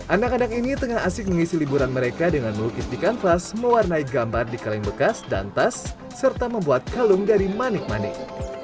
anak anak ini tengah asik mengisi liburan mereka dengan melukis di kanvas mewarnai gambar di kaleng bekas dan tas serta membuat kalung dari manik manik